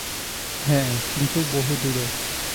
হ্যাঁ, কিন্তু বহুদূরে।